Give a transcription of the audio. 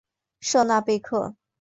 舍纳贝克。